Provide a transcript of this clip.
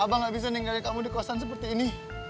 abah gak bisa ninggalin kamu di kosan seperti ini